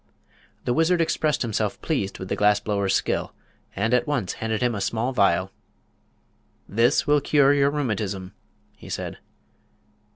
The wizard expressed himself pleased with the glass blower's skill and at once handed him a small vial. "This will cure your rheumatism," he said.